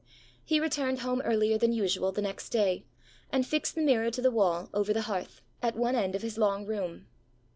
He returned home earlier than usual the next day, and fixed the mirror to the wall, over the hearth, at one end of his long room.